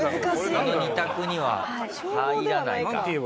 あの２択には入らないか。